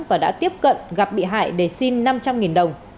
và đã tiếp cận gặp bị hại để xin năm trăm linh đồng